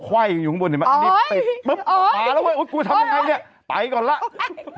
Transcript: ว่ายอยู่ข้างบนปึ๊บมาแล้วเฮ้ยโอ๊ยกูมันไงเนี้ยไปก่อนล่ะโห